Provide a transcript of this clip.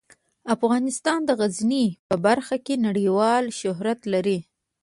افغانستان د غزني په برخه کې نړیوال شهرت لري.